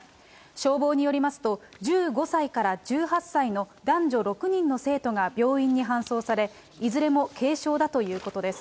消防によりますと１５歳から１８歳の男女６人の生徒が病院に搬送され、いずれも軽症だということです。